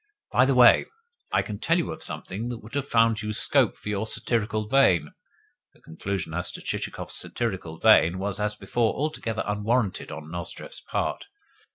"By the way, I can tell you of something that would have found you scope for your satirical vein" (the conclusion as to Chichikov's "satirical vein" was, as before, altogether unwarranted on Nozdrev's part).